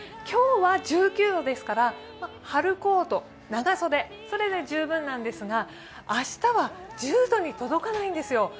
今日は１９度ですから春コート、長袖それで十分なんですが明日は１０度に届かないんですよ。